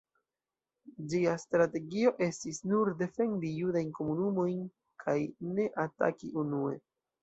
Ĝia strategio estis nur defendi judajn komunumojn kaj ne ataki unue.